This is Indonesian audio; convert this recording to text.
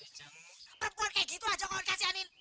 berpuan kayak gitu lah jong kau dikasihanin